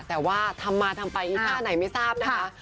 แต่ว่าทำมาทำไปอีท่าไหนไม่ทราบนะคะ